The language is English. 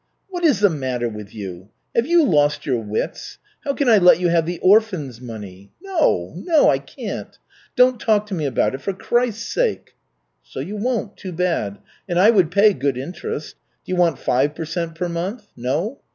"What is the matter with you? Have you lost your wits? How can I let you have the orphans' money? No, no, I can't. Don't talk to me about it, for Christ's sake." "So you won't. Too bad. And I would pay good interest. Do you want five per cent. per month? No?